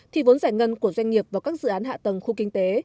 thì vốn giải ngân của doanh nghiệp vào các dự án hạ tầng khu kinh tế